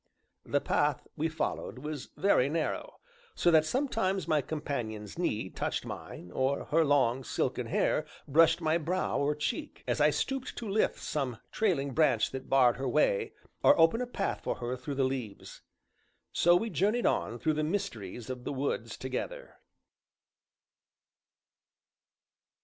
The path we followed was very narrow, so that sometimes my companion's knee touched mine, or her long, silken hair brushed my brow or cheek, as I stooped to lift some trailing branch that barred her way, or open a path for her through the leaves. So we journeyed on through the mysteries of the woods together.